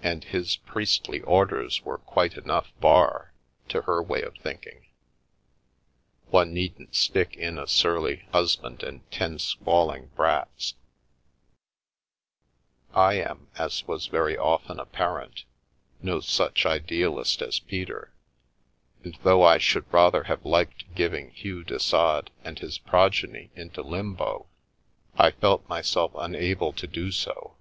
And his priestly orders were quite enough bar, to her way of thinking. One needn't stick in a surly husband and ten squalling brats/ 9 I am, as was very often apparent, no such idealist as Peter, and though I should rather have liked giving Hugh de Sade and his progeny into limbo, I felt myself unable to do so.